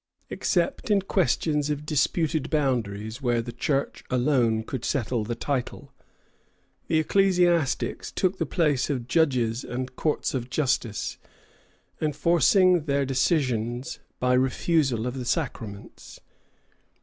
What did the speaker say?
Except in questions of disputed boundaries, where the Council alone could settle the title, the ecclesiastics took the place of judges and courts of justice, enforcing their decisions by refusal of the sacraments.